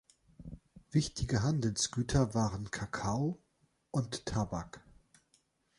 Wichtige Handelsgüter waren Kakao und Tabak.